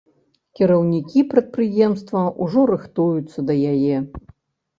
Кіраўнікі прадпрыемства ўжо рыхтуюцца да яе.